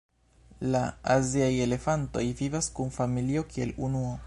La aziaj elefantoj vivas kun familio kiel unuo.